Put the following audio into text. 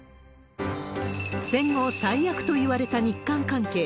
戦後最悪といわれた日韓関係。